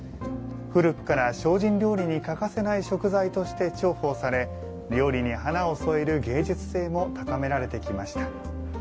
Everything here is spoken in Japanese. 古くから精進料理に欠かせない食材として重宝され料理に華を添える芸術性も高められてきました。